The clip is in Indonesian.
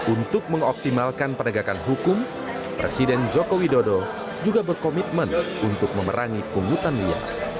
untuk mengoptimalkan penegakan hukum presiden joko widodo juga berkomitmen untuk memerangi pungutan liar